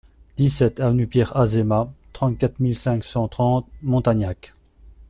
dix-sept avenue Pierre Azéma, trente-quatre mille cinq cent trente Montagnac